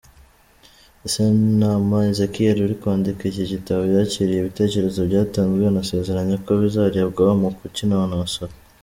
Sentama Ezekiel uri kwandika iki gitabo yakiriye ibitekerezo byatanzwe, anasezeranya ko bizarebwaho mu kukinonosora.